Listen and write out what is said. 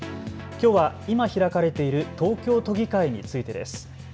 きょうは今、開かれている東京都議会についてです。